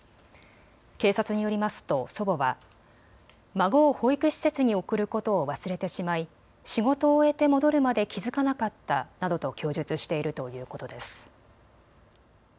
警察によりますと祖母は孫を保育施設に送ることを忘れてしまい仕事を終えて戻るまで気付かなかったなどと供述しているということです。